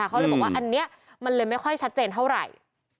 เขาเลยบอกว่าอันนี้มันเลยไม่ค่อยชัดเจนเท่าไหร่